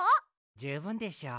じゅうぶんでしょう？